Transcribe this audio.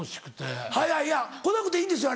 はいはいいや来なくていいんですよ